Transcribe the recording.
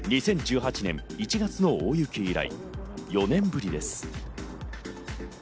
２０１８年１月の大雪以来４年ぶりです。